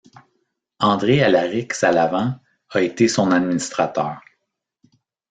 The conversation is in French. André Alaric Salavan a été son administrateur.